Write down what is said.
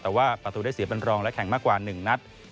แต่ว่าประตูได้เสียเป็นรองและแข่งมากกว่า๑นัด